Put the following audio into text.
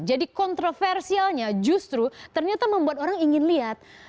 jadi kontroversialnya justru ternyata membuat orang ingin lihat